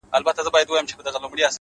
له سجدې پورته سي; تاته په قيام سي ربه;